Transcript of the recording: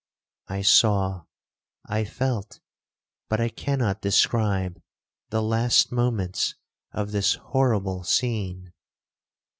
I saw, I felt, but I cannot describe, the last moments of this horrible scene.